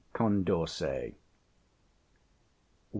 Condorcet.